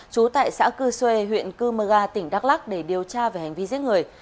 trú tại xã cư xuê huyện cư mơ ga tỉnh đắk lắc để điều tra về hành vi giết người